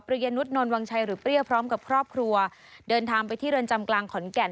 ยนุษนนวังชัยหรือเปรี้ยพร้อมกับครอบครัวเดินทางไปที่เรือนจำกลางขอนแก่น